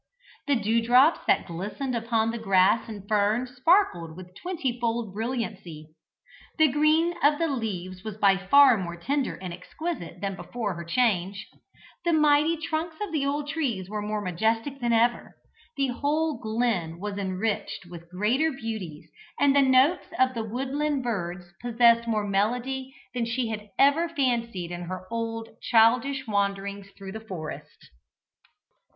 The dewdrops that glistened upon the grass and fern sparkled with twenty fold brilliancy; the green of the leaves was by far more tender and exquisite than before her change; the mighty trunks of the old trees were more majestic than ever, the whole glen was enriched with greater beauties, and the notes of the woodland birds possessed more melody than she had ever fancied in her old, childish wanderings through the forest.